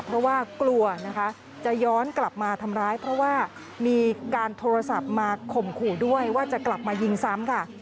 เพราะว่ากลัวนะคะจะย้อนกลับมาทำร้ายเพราะว่ามีการโทรศัพท์มาข่มขู่ด้วยว่าจะกลับมายิงซ้ำค่ะ